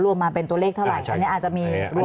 รวมมาเป็นตัวเลขเท่าไหร่อันนี้อาจจะมี